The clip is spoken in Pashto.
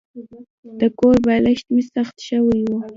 د کور بالښت مې سخت شوی و.